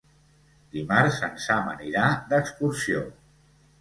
Dimarts en Sam anirà d'excursió.